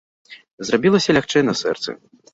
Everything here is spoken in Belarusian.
Зрабілася лягчэй на сэрцы.